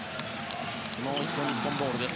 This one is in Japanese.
もう一度、日本ボールです。